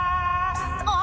あ！